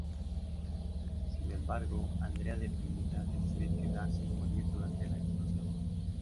Sin embargo Andrea deprimida decide quedarse y morir durante la explosión.